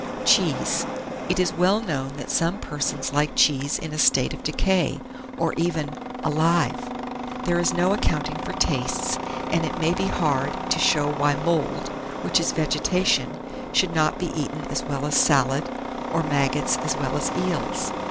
CHEESE. It is well known that some persons like cheese in a state of decay, and even "alive." There is no accounting for tastes, and it maybe hard to show why mould, which is vegetation, should not be eaten as well as salad, or maggots as well as eels.